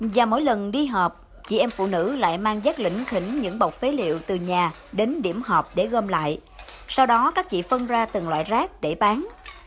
và mỗi lần đi họp chị em phụ nữ lại mang giác lĩnh khỉnh những bọc phế liệu từ nhà đến điểm họp để gom lại sau đó các chị phân ra từng loại rác để bán